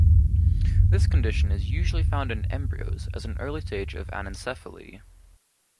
This condition is usually found in embryos as an early stage of anencephaly.